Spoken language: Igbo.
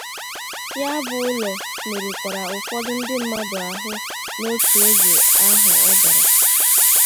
Ya bụ ụlọ merụkwara ụfọdụ ndị mmadụ ahụ n'otu oge ahụ ọ dara